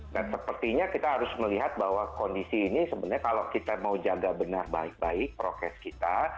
nah sepertinya kita harus melihat bahwa kondisi ini sebenarnya kalau kita mau jaga benar baik baik prokes kita